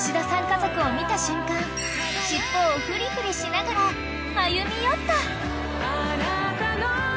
家族を見た瞬間尻尾をふりふりしながら歩み寄った］